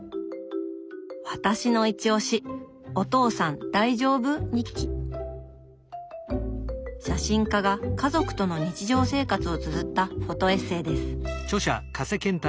私のいちおし写真家が家族との日常生活をつづったフォトエッセーです。